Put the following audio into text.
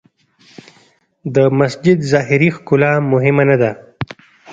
د مسجد ظاهري ښکلا مهمه نه ده.